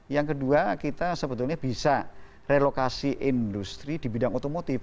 yang kedua kita sebetulnya bisa relokasi industri di bidang otomotif